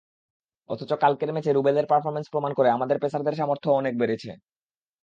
অথচ কালকের ম্যাচে রুবেলের পারফরম্যান্স প্রমাণ করে, আমাদের পেসারদের সামর্থ্যও অনেক বেড়েছে।